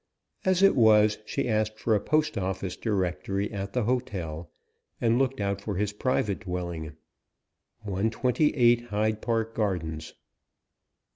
As it was, she asked for a Post Office Directory at the hotel, and looked out for his private dwelling 128 Hyde Park Gardens.